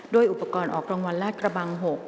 อุปกรณ์ออกรางวัลลาดกระบัง๖